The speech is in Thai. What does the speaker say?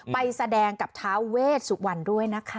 ไปแสดงกับท้าเวชสุวรรณด้วยนะคะ